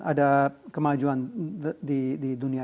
ada kemajuan di dunia